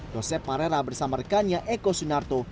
josep parera bersama rekannya eko sunarto